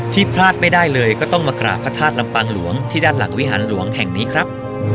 พลาดไม่ได้เลยก็ต้องมากราบพระธาตุลำปางหลวงที่ด้านหลังวิหารหลวงแห่งนี้ครับ